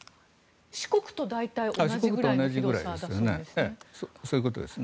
四国と大体同じぐらいの広さだそうで。